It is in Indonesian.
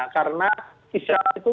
karena kisah itu